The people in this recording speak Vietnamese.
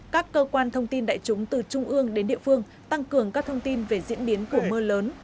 các cơ quan thông tin đại chúng từ trung ương đến địa phương tăng cường các thông tin về diễn biến của mưa lớn